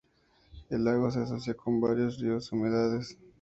El lago se asocia con varios ríos y humedales.